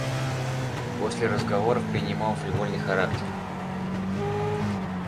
После разговор принимал фривольный характер.